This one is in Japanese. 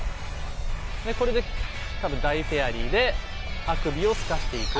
これでたぶんダイフェアリーであくびをすかしていく。